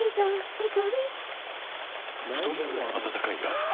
ニトリ太ももは温かいがあ！